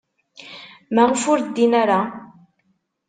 Maɣef ur ddin ara?